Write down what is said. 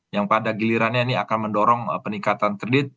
yang pada gilirannya ini akan mendorong peningkatan kredit